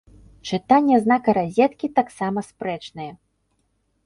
Чытанне знака разеткі таксама спрэчнае.